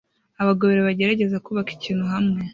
Abagabo babiri bagerageza kubaka ikintu hamwe